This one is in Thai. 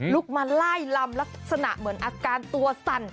มาไล่ลำลักษณะเหมือนอาการตัวสั่น